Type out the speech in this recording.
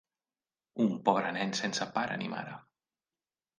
Un pobre nen sense pare ni mare.